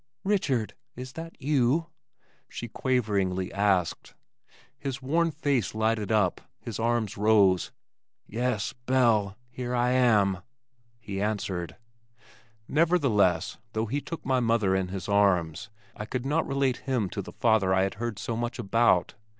"Richard, is that you?" she quaveringly asked. His worn face lighted up. His arms rose. "Yes, Belle! Here I am," he answered. Nevertheless though he took my mother in his arms, I could not relate him to the father I had heard so much about.